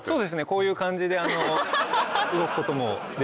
こういう感じで動くこともできます。